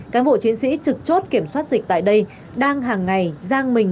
cán bộ chiến sĩ trực chốt kiểm soát dịch tại đây đang hàng ngày giang mình